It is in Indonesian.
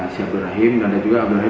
saya tidak tahu